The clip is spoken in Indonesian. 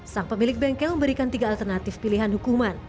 sang pemilik bengkel memberikan tiga alternatif pilihan hukuman